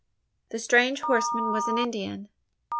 The strange horseman was an Indian.